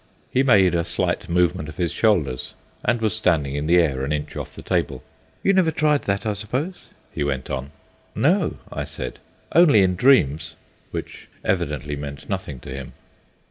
He made a slight movement of his shoulders, and was standing in the air an inch off the table. "You never tried that, I suppose?" he went on. "No," I said, "only in dreams," which evidently meant nothing to him.